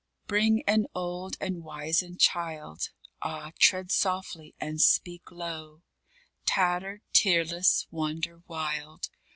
_ Bring an old and wizened child Ah, tread softly and speak low Tattered, tearless, wonder wild.